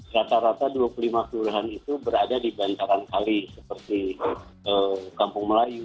rata rata dua puluh lima kelurahan itu berada di bantaran kali seperti kampung melayu